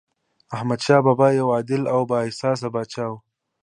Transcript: احمدشاه بابا یو عادل او بااحساسه پاچا و.